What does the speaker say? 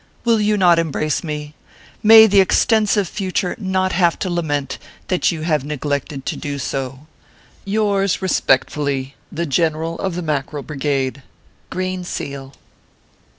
Will you not embrace me ? May the extensive future not have to lament that you have neglected to do so. "Yours, respectfully, the " GENERAL OF THE MACKEREL BRIGADE/ [Green seal.